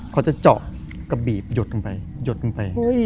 เขาจะเจาะกระบีบหยดลงไป